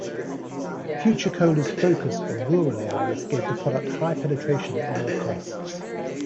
Future Cola's focus on rural areas gave the product high penetration at lower costs.